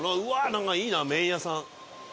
何かいいな麺屋さん